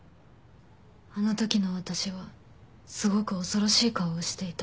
あの時の私はすごく恐ろしい顔をしていた。